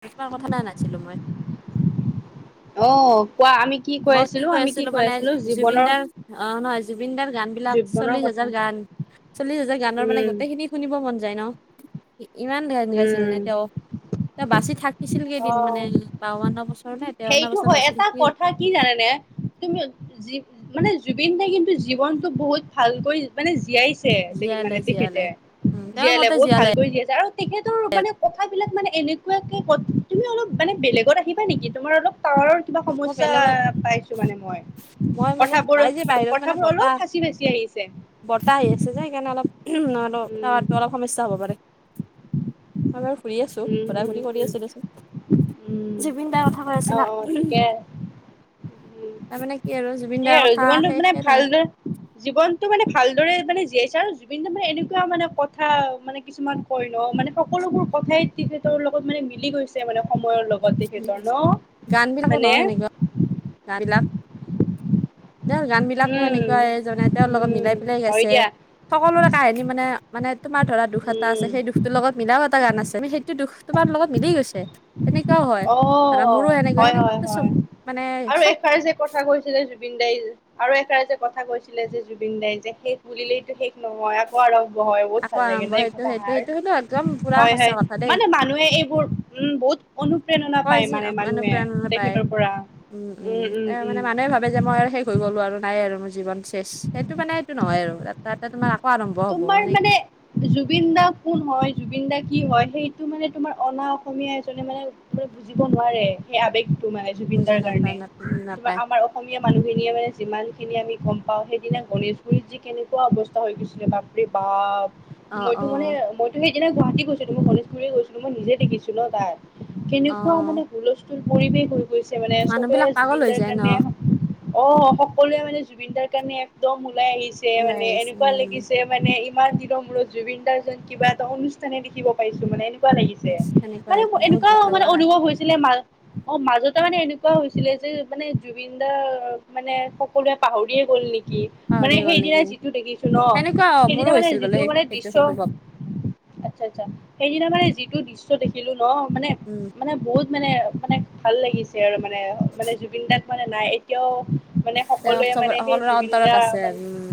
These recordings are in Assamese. কিছুমান কথা নাই নাছিলো মই। অ কোৱা আমি কি কৈ মই আছিলো আমি কি কৈ মানে আছিলো জুবিন জীৱনৰ দাৰ অ নহয় জুবিন দাৰ গানবিলাক জীৱনৰ চল্লিছ কথা হাজাৰ গান চল্লিছ হাজাৰ গানৰ মানে উম গোটেইখিনি শুনিব মন যায় ন। ইমান ধান গাইছিল উম নে তেওঁ। এ বাচি থাকিছিল অ কেইদিন মানে বাৱন বছৰ নে তেৱান সেইটো বছৰ হয় বাচি এটা থাকিল। কথা কি জানেনে তুমি যি মানে জুবিন দাই কিন্তু জীৱনটো বহুত ভালকৈ মানে জীয়াইছে তেখেতে জীয়ালে মানে জীয়ালে তেখেতে উম তেওঁৰ জীয়ালে মতে বহুত ভালকৈ জীয়াইছে আৰু তেখেতৰ মানে কথাবিলাক মানে এনেকুৱাকে ক তুমি অলপ মানে বেলেগত আহিবা নেকি তোমাৰ অলপ টাৱাৰৰ কিবা মই সমস্যা বেলেগত পাইছো মানে মই। মই মানে কথাবোৰ [unintelligible] বাহিৰত মানে কথাবোৰ অলপ বতাহ ফাঁচি ফাঁচি আহিছে বতাহ আহি আছে যে সেইকাৰণে অলপ ন আৰু উম টাৱাৰটো অলপ সমস্যা হ'ব পাৰে। মই বাৰু ফুৰি আছো উম ঘুৰা উম ঘুৰি কৰি উম আছো দেচোন। জুবিন দাৰ কথা কৈ আছিলা। থিকে তাৰমানে কি আৰু জুবিন দাৰ সেয়া আৰু কথা জীৱনটো মানে শেষে নহয় ভালদে জীৱনটো মানে ভালদৰে মানে জীয়াইছে আৰু জুবিন মানে এনেকুৱা মানে কথা মানে কিছুমান কয় ন মানে সকলোবোৰ কথাই তেখেতৰ লগত মানে মিলি গৈছে মানে। সময়ৰ লগত মিলি তেখেতৰ ন গৈছে গানবিলাকো ন মানে সেনেকুৱা গানবিলাক। তেওঁৰ গানবিলাকো উম এনেকুৱাই জনাই তেওঁ লগত উম মিলাই পেলাই হয় গাইছে। দিয়া সকলোৰে কাহিনী মানে মানে তোমাৰ ধৰা দুখ এটা উম আছে সেই দুখটোৰ লগত মিলাও এটা গান আছে সেইটো দুখ তোমাৰ লগত মিলি গৈছে। মানে অ', হয় হয় চব হয় মানে আৰু চব এষাৰ যে কথা কৈছিলে জ জুবিন দাই আৰু এষাৰ যে কথা কৈছিলে যে জুবিন দাই যে শেষ বুলিলেইটো শেষ নহয় আকৌ আৰ হয়, বহুত আকৌ ভাল লাগে আৰম্ভ ন এই সেইটো সেইটো কথাষাৰ। সেইটো সেইটো একদম পুৰা হয় সঁচা হয় কথা দেই মানে মানুহে এইবোৰ উম বহুত অনুপ্ৰেৰণা হয়, পায় যি মানে মানুহে অনুপ্ৰেৰণা পায়। তেখেতৰ পৰা উম, উম, তে মানে মানুহে ভাবে যে মই আৰু শেষ হৈ গ'লো আৰু নাই। আৰু মোৰ জীৱন শেষ, সেইটো মানে সেইটো নহয় আৰু, এটা এটা তোমাৰ আৰম্ভ হ'ব তোমাৰ মানে সেনেকুৱা জুবিন দা কোন হয়? জুবিন দা কি হয়, সেইটো মানে তোমাৰ অনা অসমীয়া এজনে মানে বুজিব নোৱাৰে সেই আৱেগ টো মানে বুজি জুবিনাৰ নাপায় কাৰণে। নাপায় তোমাৰ নাপায় আমাৰ অসমীয়া মানুহখিনিয়ে মানে যিমান খিনি আমি গম পাওঁ। সেইদিনা গণেশগুৰি যি কেনেকুৱা অৱস্থা হৈ গৈছিলে বাপৰে বাপ অ মইতো অ মানে মইতো সেইদিনা গুৱাহাটী গৈছিলোঁ। মই গণেশগুৰি গৈছিলোঁ। মই নিজে দেখিছোঁ ন তাই অ কেনেকুৱা মানে হুলস্থুল পৰিৱেশ হৈ গৈছে মানে মানুহ চবে বিলাক পাগল হৈ জুবিনদাৰ যায় ন কাৰণে অ' সকলোৱে মানে জুবিন দাৰ কাৰণে একদম ওলাই আহিছে ওলাই মানে আহিছে এনেকুৱা লা উম যে মানে ইমান দিনৰ মূৰত জুবিন দাৰ্জন কিবা এটা অনুষ্ঠানে দেখিব পাইছোঁ মানে এনেকুৱা। লাগিছে ইচ, সেনেকুৱা মানে মোৰ হৈছে বহুত এনেকুৱা দুখ মানে লগা কান অনুভৱ হৈছিলে মা অ' মাজতে মানে এনে কোৱা হৈছিলে যে মানে জুবিন দাৰক মানে সকলোৱে পাহৰিয়ে গ'ল নেকি? কি মানে পাহৰিয়ে গ'ল সেইদিনা নেকি যিটো দেখিছোঁ ন। সেনেকুৱা অ মোৰো সেইদিনা মানে হৈছিল বোলে যিটো সেই মানে সেইটো দৃশ্য অনুভৱ আচ্ছা, আচ্ছা সেইদিনা মানে যিটো দৃশ্য দেখিলো ন, মানে উম মানে বহুত মানে মানে ভাল লাগিছে আৰু মানে নাই মানে জুবিন দাক মানে নাই এতিয়াও মানে তেওঁ সকলোৱে চবৰ মানে সেই সকলোৰে জুবিন অন্তৰত দা আছে আৰু উম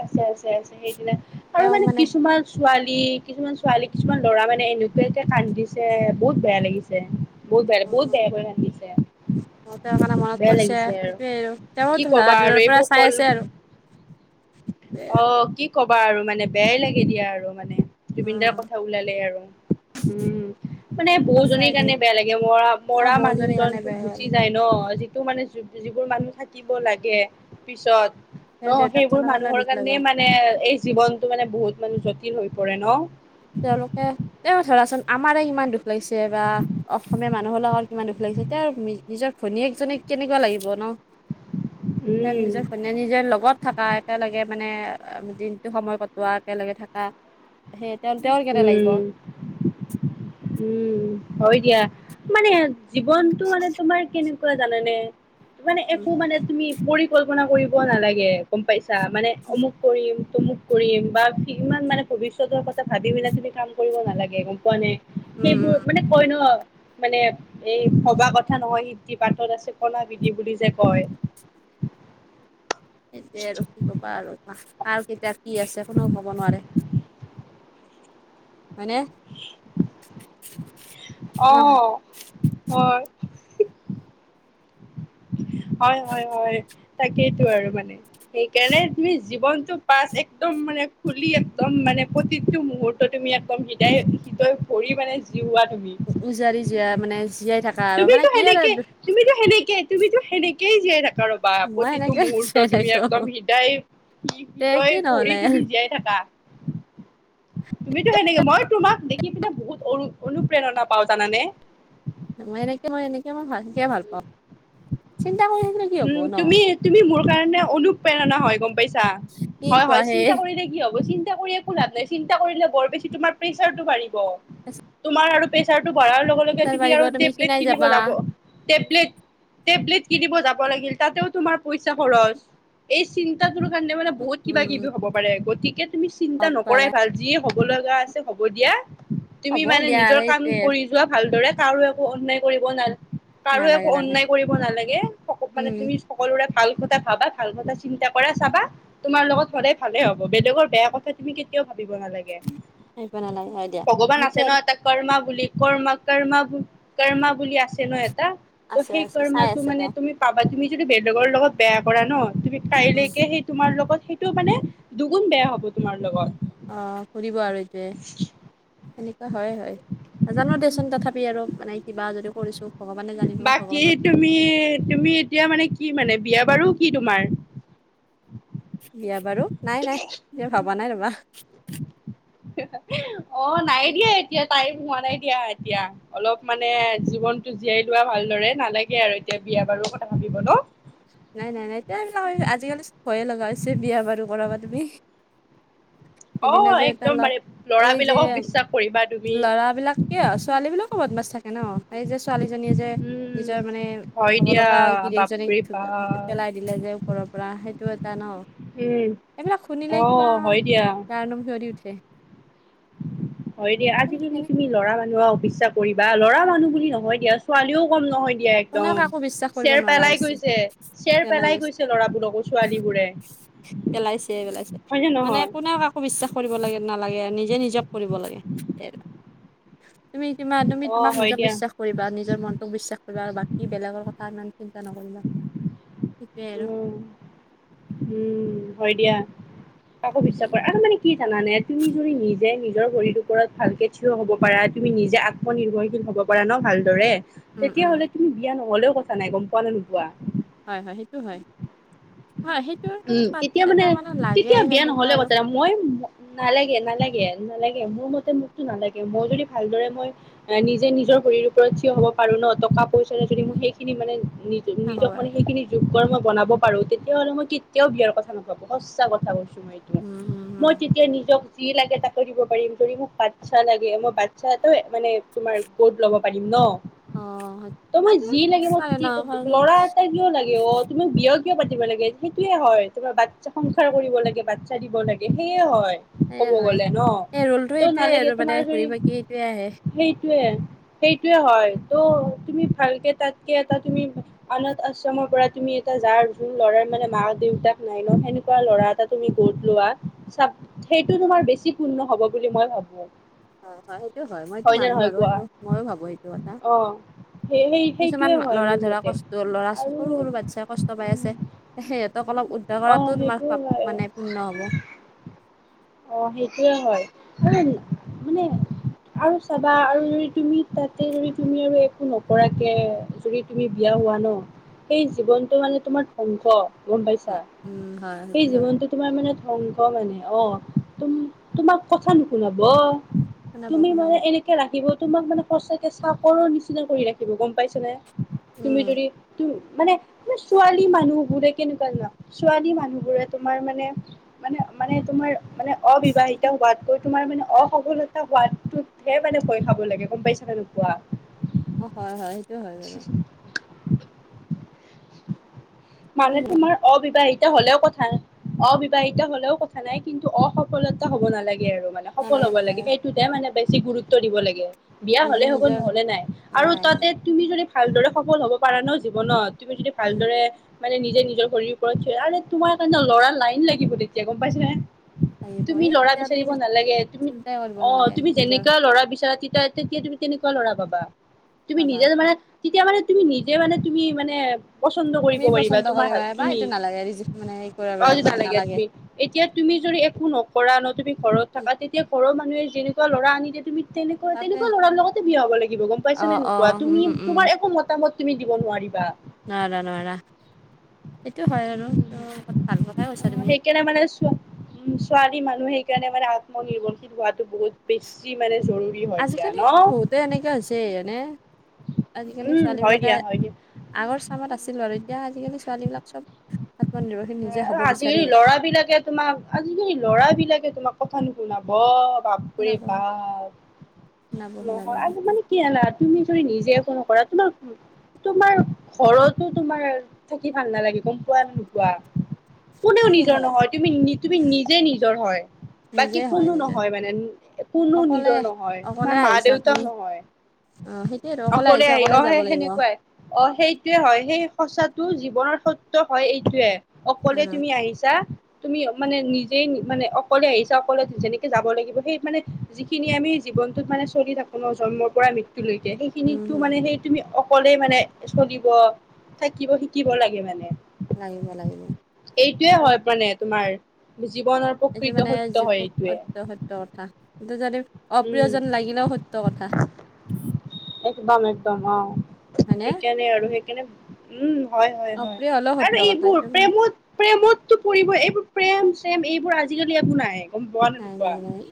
আছে, আছে। যাই আছে সেইদিনা আৰু মানে কিছুমান ছোৱালী কিছুমান ছোৱালী কিছুমান ল'ৰা মানে এনেকুৱাকে কান্দিছে বহুত বেয়া লাগিছে। বহুত বেয়া বহুত বেয়াকে কান্ধিছে। তেওঁ কাৰণে মনত পৰিছে সেইটোৱে আৰু তেওঁৰ কি ধৰ ক'বা আৰু দূৰৰ পৰা এইবোৰ চাই কল আছে আৰু সেইটোৱে আৰু অ' কি কবা আৰু মানে বেয়াই লাগে দিয়া আৰু মানে। জুবিন উম দাৰ কথা ওলালে আৰু উম। মানে সঁচাই বৌজনীৰ দেই কাৰণে বেয়া লাগে মৰা অ মৰা বৌজনীৰ কাৰণে মানুহজনতো বেয়া হ'ল গুচি যায় ন তো মানে যিবোৰ মানুহ থাকিব লাগে পিছত ন তেওঁৰ সেইবোৰ দেউতাকজনৰ মানুহৰ দুখ লাগে কাৰণে মানে এই জীৱনতটো মানে বহুত মানে জটিল হৈ পৰে ন। তেওঁলোকে তেওঁ ধৰাচোন আমাৰে ইমান দোষ লাগিছে বা অসমীয়া মানুহৰ লগত কিমান দুখ লাগিছে এতিয়া আৰু নিজৰ ভনীয়েক জনীক কেনেকুৱা লাগিব ন। উম, [unintelligible] নিজে লগত থাকা একেলেগে। মানে দিনটো সময় কটোৱা, একেলগে থাকা, সেই তেওঁ তেওঁৰ কেনে লাগিব উম, উম। হয়, দিয়া মানে জীৱনটো মানে তোমাৰ কেনেকুৱা জানানে? মানে একো মানে তুমি পৰিকল্পনা কৰিব নালাগে গম পাইছ চা, মানে অমুক কৰিম, তমুক কৰিম বা ইমান মানে ভৱিষ্যতৰ কথ ভাবি পেলাই তুমি কাম কৰিব নালাগে গম পোৱানে? উম উম সেইবোৰ মানে কয় ন মানে এই ভবা কথা নহয় সিদ্ধি বাটতত আছে কণা বিধি বুলি যে, কয়। সেটোয়ে আৰু কি ক'বা, আৰু কাৰ, কেতিয়া, কি আছে কোনেও ক'ব নোৱাৰে। হয়নে? অ', হয়। হয়, হয়, হয়, তাকেইটো আৰু মানে সেইকাৰণে তুমি জীৱনটো পাছ একদম মানে খুলি একদম মানে প্ৰতিটো মুহুৰ্তত তুমি একদম হৃদয়-হৃদয় ভৰি মানে জিওৱা তুমি উ-উজাৰি জীয়া মানে জীয়াই থাকা আৰু তুমিতো মানে কি সেনেকে আৰু তুমিতো সেনেকে, তুমিটো সেনেকেই জীয়াই কাৰোবা মই প্ৰতিটো এনেকে মুহূৰ্ত জীয়াই তুমি থাকো একদম হৃদায়, তে হৃদয় কি কৰি নহ'লে তুমি জীয়াই থাকা। তুমিতো সেনেকে, মই তোমাক দেখি পিনে বহুত অনু-অনুপ্ৰেৰণা পাওঁ জানানে? মই এনেকে মই এনেকে মই ভাল সকে ভাল পাওঁ কৰি থাকিলে কি হব উম ন তুমি তুমি কাৰণে অনুপ্ৰেৰণা হয় গম পাইছা, কি হয় কোৱা হয় সেই চিন্তা কৰিলে কি হ'ব একো লাভ নাই চিন্তা কৰিলে বৰ বেছি তোমাৰ প্ৰেচাৰটো বাঢ়িব তোমাৰ আৰু প্ৰেচাৰটো বঢ়াৰ লগে লগে প্ৰেছাৰ তুমি বাঢ়িব আকৌ টেবলেট খিনাই কিনিব যাবা যাব, টেবলেট কিনিব যাব লাগিল তাতো তোমাৰ পইচা খৰচ। কাৰণে মানে বহুত কিবা উম কিবি হ'ব পাৰে গতিকে তুমি চিন্তা হব পাৰে নকৰাই ভাল যিয়ে হ'ব লগা আ হ'ব দিয়া তুমি হ'ব মানে দিয়া নিজৰ আৰু কাম এইটোৱে আৰু। কৰি যোৱা ভালদৰে। কাৰো একো অন্যায় কৰিব ন কাৰো একো নালাগে নালাগে অন্যায় কৰিব নালাগে মানে উম তুমি সকলো ভাল কথা ভাবা ভাল কথা চিন্তা কৰা চাবা তোমাৰ লগত সদায় ভালে হ'ব বেলেগৰ বেয়া কথা তুমি কেতিয়াও ভাবিব নালাগে আহিব নালাগে হয় দিয়া ভগৱান আছে সেইটোৱে ন আৰু এটা কৰ্মা বুলি কৰ্মা কৰ্মা কৰ্মা বুলি আছে ন' এটা, ত' আছে সেই আছে চাই কৰ্মাটো আছে মানে তেওঁ তুমি পাবা তুমি যদি বেলেগৰ লগত বেয়া কৰা ন' তুমি উম কাইলৈকে সেই তোমাৰ লগত সেইটো মানে দুগুণ বেয়া হ'ব তোমাৰ লগত। অ', ফুৰিব আৰু এইটয়ে সেনেকুৱা হয় হয় নাজানো দেচোন কথা আৰু মানে কিবা যদি কৰিছো ভগৱানে জানিব বাকী ভগৱানৰ তুমি তুমি এতিয়া মানে কি মানে বিয়া বাৰু কি তোমাৰ? বিয়া বাৰু নাই নাই ভবা নাই ৰ'বা। অ', নাই দিয়া এতিয়া টাইম হোৱা নাই দিয়া এতিয়া অলপ মানে জীৱনটো জীয়াই লোৱা ভালদৰে নালাগে আৰু এতিয়া বিয়া বাৰু কথা ভাবিব ন'। নাই নাই নাই এয় এইবিলাক আজিকালি ভয়ে লগা হৈছে বিয়া বাৰু কৰাবা, তুমি? অ সেইদিনা যে এটা একদম ল'ৰা পাৰে এই যে লৰাবিলাকক বিশ্বাস কৰিবা তুমি ল'ৰাবলাক ক ছোৱালী বিলাক ক বদমাছ থাকে হ ন এই যে ছোৱালীজনীয়ে যে উম নিজৰ মানে হয় হ'ব দিয়া লগা বাপৰে বিদেশজনীক বাপ পেলাই দিলে যে ওপৰৰ পৰা সেইটো এটা উম ন'। এইবিলাক শুনিলে অ কিবা হয় দিয়া। গাৰ নোম শিঞৰিঁ উঠে। হয় দিয়া আজিকালি কেনে তুমি ল'ৰা মানুহ অফিচ ইচ্ছা কৰিবা ল'ৰা মানুহ বুলি নহয় দিয়া ছোৱালীও কম নহয়। দিয়া কোনেও একদম কাকো বিশ্বাস কৰিব চেৰ নোৱাৰা পেলাই হৈছে গৈছে চেৰ পেলাই গৈছে ল'ৰাবোৰকো ছোৱালী বোৰে। পেলাইছে পেলাইছে মানে কোনেও কাকো বিশ্বাস কৰিব লাগে নালাগে নিজ। নি যে নিজক কৰিব লাগে। তুমি তোমাৰ তুমি অ তোমাক হয় নিজক দিয়া বিশ্বাস কৰিবা নিজৰ মনটোক বিশ্বাস কৰিবা আৰু বাকী বেলেগৰ কথা ইমান চিন্তা নকৰিবা সেটোৱেই আৰু। উম উম হয় দিয়া আকৌ বিশ্বাস কৰে আৰু মানে কি জানানে তুমি যদি নিজে নিজ নিজৰ ভৰীৰৰ ওপৰত ভালকে থিয় হ'ব পাৰা তুমি নিজে আত্মনিৰ্ভৰশীল হ'ব পাৰা ন' ভালদৰে উম, উম, তেতিয়াহ'লে তুমি বিয়া নহলেও কথা নাই গম পোৱা নো নোপোৱা। হয়-হয় সেইটো হয়। হয়, সেইটোৰ মানে উম, পাত তেতিয়া এটা মানে লাগে তেতিয়া বিেয়া সেনেকুৱা নহলে আৰু কথা মই নালাগে-নালাগে-নালাগে। মোৰ মতে মোকতো নালাগে মই যদি ভালদৰে মই নিজে নিজৰ শৰৰ ওপৰত থিয় হব পাৰো ন টকা। পইচ যদি মই সেইখিনি মানে নি নিজক থাকক মে আৰু। সেইখিনি যোগ মই বনাব পাৰোঁ তেতিয়াাহ'লে মই কি তেওঁ বিয়াৰ কথা নকাব সঁচা কথা কৈছো মই এইটো উম, হুম, হুম। মই তেতিয়া নিজক যি লাগে তাকো দিব পাৰিম যদি মোক বাচ্ছা লাগে মই বাচ্ছাটা মানে তোমাৰ গত ল'ব পাৰিম ন অ', ত মই যি আজিকালি লাগে মই পাৰে ন কাৰণ লৰা এটা কিয় লাগে অ তুমি বিয় কিয় পাতিব লাগে সেইটোয়ে হয় তোমাৰ বাচ্ছা সংসাৰ কৰিব লাগে বাচ্ছা দিব লাগে সেয়ে হয়। সেয়ে ক'ব হয়, গ'লে ন এই ৰোলটো তই এইটোয়ে নালাগে আৰু মানে তোমাৰ ঘূৰি যদি পাকি এইটোয়ে আহে। সেইটোয়ে। সেইটোয়ে হয় ত' তুমি ভালকে তাতকে এটা তুমি অনাথ আশ্ৰমৰ পৰা তুমি এ যাৰ জ ল'ৰাৰ মানে মাক। দেউতাক নাই ন সেনেকুৱা ল'ৰা এটা তুমি গত লোৱা সেইটো তোমাৰ বেছি পূৰ্ণ হ'ব। বুলি মই ভাবো হয় হয় সেইটো হয় মইতো নে মানো নহয় আৰু কোৱা সেইটো ময়ো ভাবো সেইটো কথা অ সেই সেই কিছুমান সেইটোয়ে হয় লৰা মোৰ ধৰা মতে কষ্ট লৰা সৰু আৰু সৰু বাচ্ছাই কষ্ট পাই আছে সেহ অলপ উদ্ধাৰ অ কৰাটো তোমাৰ সেইটো পাপ হয় মানে পূৰ্ণ হ'ব অ সেইটোয়ে হয় কাৰণ মানে আৰু চাবা আৰু যদি তুমি তাতে যদি তুমি আৰু একো নকৰাকে যদি তুমি বিয়া হোৱা ন সেই জীৱনটো মানে তোমাৰ ধ্বংস গম পাইছা উম, উম, হয়, সেই সেইটো হয়, জীৱনটো তোমাৰ মানে ধ্বংস মানে অ তোম তোমাক কথা নুশুনাব শুনাব তুমি শুনাব, মানে এনেকে ৰাখিব তোমাক মানে সঁচাকে চাকৰ নিচিনা কৰি ৰাখিব গম পাইছ নে তুমি উম, যদি তুম মানে ছোৱালী মানুহবোৰে কেনেকুৱা চোৱা ছোৱালী মানুহবোৰে তোমাৰ মানে মানে মানে তোমাৰ মানে অবিবাহিত হোৱাতকৈ তোমাৰ মানে অসফলতা হোৱাতোতহে মানে ভয় খাব লাগে গম পাইছা নে নোপোৱা অ হয় হয় সেইটোয় হয় বাৰু তুমি মানে যাবা নেকি? তোমাৰ অবিবাহিত হলেও কথা নাই অবিবাহিত হলেও কথা নাই কিন্তু অসফলতা হ'ব নালাগে আৰু মানে সফল নালাগে হ'ব নালাগে। লাগে সেইটোতে মানে বেছি গুৰুত্ব দিব লাগে বিয়া নিজে হলে হ'ব নিজৰ নহলে নাই আৰু নাই তাতে নাই তুমি যদি ভালদৰে সফল হ'ব পাৰা ন জীৱনত তুমি যদি উম ভালদৰে মানে নিজে নিজৰ ভৰিৰ ওপৰত থিয় আৰু তোমাৰ কাৰণে ল'ৰা লাইন লাগিব তেতিয়া গম পাইছা নে আহিব তুমি এই লৰা তেতিয়া তুমি বিচাৰিব নালাগে তুমি চিন্তাই কৰিব অ নালাগে তুমি নিজৰ যেনেকা লৰা বিচাৰ তি তেতিয়া তুমি তেনেকুৱা ল'ৰা পাবা তুমি পাবা নিজে মানে তেতিয়া মানে তুমি নিজে মানে তুমি মানে পচন্দ কৰিব তুমি পাৰিবা পচন্দ তোমাৰ কৰিব হাত পাৰা বা তুমি এইটো নালাগে ৰিজেক মানে হেৰি কৰিব অ পাৰা নালাগে তুমি এতিয়া তুমি যদি একো নকৰা ন তুমি ঘৰত থাকা তেতিয়া ঘৰৰ মানুহে যেনেকুৱা ল'ৰা আনি দিয়ে তুমি তেনেকুৱা তাতে তেনেকুৱা ল'ৰাৰ লগতে বিয়া হব লাগিব গম অ পাইছা নে অ নোপোৱা উম তুমি উম তোমাৰ একো মতামত তুমি দিব নোৱাৰিবা নোৱাৰা নোৱাৰা সেইটো হয় আৰু উম ত ভাল কথাই অ কৈছা তুমি সেইকাৰণে মানে চোৱা উম ছোৱালী মানুহে সেইকাৰণে মানে আত্মনিৰ্ভৰশীল হোৱাটো বহুত বেছি মানে জৰুৰী হয় দিয়া আজিকালি ন বহুতৰ এনেকে হৈছে হয়নে আজিকালি উম ছোৱালী হয় বিলাকে দিয়া হয় দিয়া আগৰ চামত আছিল আৰু এতিয়া আজিকালি ছোৱালী বিলাক চব আত্মনিৰ্ভৰশীল নিজে হ'ব বিচাৰে আজিকালি লৰা বিলাকে তোমাক আজিকালি লৰা বিলাকে তোমাক কথা নু শুনাব বাপৰে শুনাব বাপ শুনাব শুনাব নহয় সেইটো আজিকালি কি জানা তুমি যদি নিজে একো নকৰা তোমাৰ তোমাৰ ঘৰতো তোমাৰ থাকি ভাল নালাগিব গম পোৱা নে নোপোৱা কোনেও সেইটো নিজৰ হয় নহয় তুমি তুমি নিজে নিজৰ হয় নিজে বাকী হয় কোনো নিজে নহয় মানে কোনো অকলে নিজৰ নহয় অকলে তোমাৰ মা আহিছা তুমি দেউতাও নহয় অ সেইটোয়ে আৰু অকলে আহিছে আহি অ যাব সেই লাগিব অ সেনেকুৱাই অ সেইটোয়ে হয় সেই সঁচাত তটো জীৱনৰ সত্য হয় এইটোয়ে অকলে তুমি আহিছা তুমি মানে নিজেই মানে অকলে আহিছা অকলে যেনেকে যাব লাগিব সেই মানে যিখিনি আমি জীৱনটোত মানে চলি থাকো ন জন্মৰ পৰা মৃত্যুলৈকে উম সেইখিনিতো হম মানে সেই তুমি অক কলে মানে চলিব থাকিব শিকিব লাগে মানে লাগিব লাগিব এইটোৱে উম, হয় মানে তোমাৰ বুজি এইটো মানে যিবো সত্য সত্য কথা কিন্তুটো যদি উম, অপ্ৰিয়জন লাগিলেও সত্য কথা একদম একদম অ হয়নে সেইকাৰণে আৰু সেইকাৰণে উম হয় হয় হয় অপ্ৰিয় হলেও সত্য আৰু কথা এইবোৰ এইটো মানে প্ৰেমত প্ৰেমতটো পৰিব এইবোৰ প্ৰেম এইবোৰ আজিকালি একো নাই গম পোৱা নাই নোপোৱা নাই নাই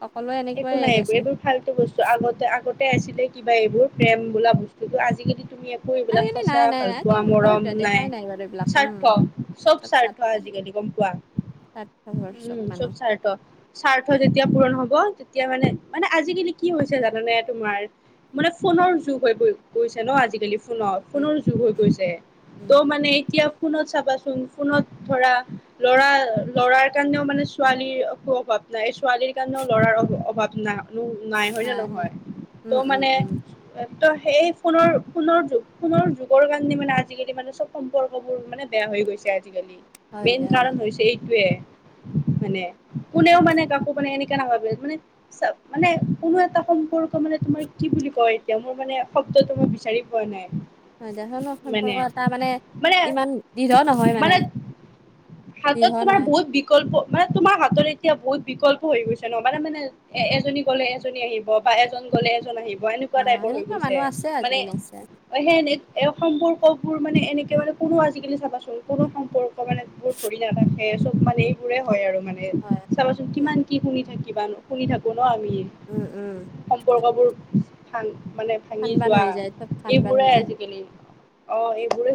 সকলোৱে একো এনেকুৱাই নাই এইবোৰ দেচোন এইবোৰ ফাল্টু বস্তু আগতে আগতে তে আছিলে কিবা এইবোৰ প্ৰেম বোল বস্তুৰ আজিকালি তুমি এইবিলাক আজিকালি সচা নাই নাই ভাল নাই আজি পোৱা মৰম হয়তো নাই দেখাই বাৰু এইবিলাক স্বাৰ্থ উম থোৱা চব স্বাৰ্থ আজিকালি। স্বাৰ্থপৰ উম, চব মানুহ স্বাৰ্থ-স্বাৰ্থ যেতিয়া পূৰণ হব। তেতিয়া মানে মানে আজিকালি কি হৈছে জানানে তোমাৰ মানে ফোনৰ যুগ হৈ গৈছে ন আজিকালি। উম ফোনৰ-ফোনৰ যুগ হৈ গৈছে উম ত' মানে এতিয়া ফোনত চাবাচোন ফোনত ধৰা ল'ৰা ল'ৰাৰ কাৰণেও মানে ছোৱালীৰ অনু অভাৱ। ন ছোৱালীৰ কাৰণে। লৰাৰ অভাৱ ন নাই হয় ন নহয় উম ত' উম মানে। উম ত সেই ফোনৰ ফোনৰ যুগ ফোনৰ যুগৰ কাৰণে মানে আজিকালি মানে চব সম্পৰ্ক বোৰ মানে বেয়া। হৈ গৈছে। এইটো হয় দে হয় দে মানে কোনেও মানে কাকো মানে কেনে ভ মানে মানে কোনো এটা সম্পৰ্ক মানে তোমাৰ কি বুলি কয় এতিয়া মোৰ মানে তোমাক বিচাৰি পোৱা নাই। হয় জখ মানে সম্পৰ্ক এটা মানে মানে ইমান দৃঢ় নহয় মানে। হাতত দৃঢ় তোমাৰ নহয় বহুত বিকল্প মানে তোমাৰ হাতত এতিয়া বহুত বিকল্প হৈ গৈছে। ব মানে এ এজনী গলে এজনী আহিব বা এজন গলে এজন আহিব। অ এনেকুৱা টাইপৰ হৈ সেনেকুৱা গৈছে মানুহ আছে মানে আজিকালি আছে অ সেই এনে এ অসমবোৰ। সবোৰ মানে এনেকে মানে কোনো আজিকালি চাবাচোন কোনো সম্পৰ্ক মানেৰ ধৰি নাৰাখে। মানে এইবোৰে হয় আৰু মানে হয়। চাবাচোন কিমান কি শুনি থাকিব বা শুনি থাকো। আমি উম উম সম্পৰ্কবোৰ ভাল। মানে ভাঙি থান বান যোৱা হৈ যায় চব থান বান এইবোৰে হৈ যায় আজিকালি অ এইবোৰে।